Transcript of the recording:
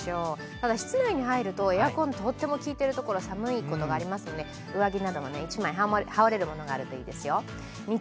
ただ、室内に入るとエアコンがとってもきいているところが寒いことがありますので、上着など、一枚羽織れるものがあるといいですよ。